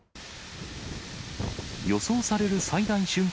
予想される最大瞬間